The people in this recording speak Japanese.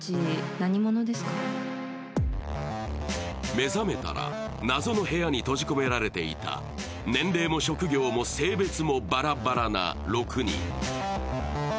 目覚めたら、なぞの部屋に閉じ込められていた年齢も職業も性別もばらばらな６人。